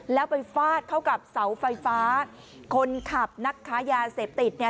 แล้วไปฟาดเข้ากับเสาไฟฟ้าคนขับนักค้ายาเสพติดเนี่ย